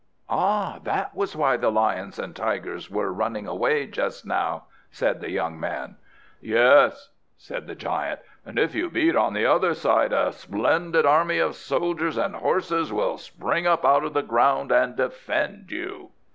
"Ah, that was why the lions and tigers were running away just now!" said the young man. "Yes," said the giant. "And if you beat on the other side, a splendid army of soldiers and horses will spring up out of the ground and defend you."